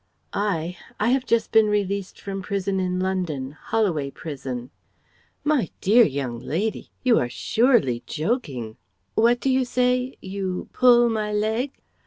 "I? I have just been released from prison in London, Holloway Prison..." "My dear young lady! You are surely joking what do you say? You pull my leg?